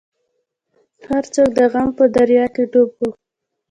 هر څوک د غم په دریا کې ډوب وو.